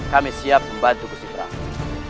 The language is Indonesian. kami siap membantu gusti prabu